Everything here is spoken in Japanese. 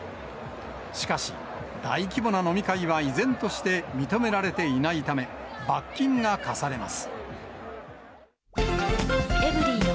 しかし、大規模な飲み会は依然として認められていないため、罰金が科されます。